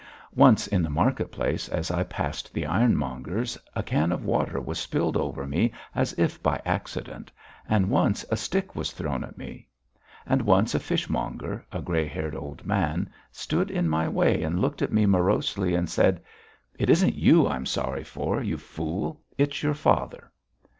Once in the market place as I passed the ironmonger's a can of water was spilled over me as if by accident, and once a stick was thrown at me. And once a fishmonger, a grey haired old man, stood in my way and looked at me morosely and said: "It isn't you I'm sorry for, you fool, it's your father."